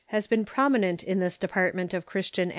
^. has been prominent in this department of Christian and Insane